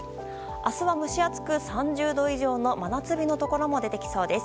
明日は蒸し暑く３０度以上の真夏日のところも出てきそうです。